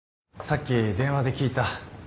さっき電話で聞いた。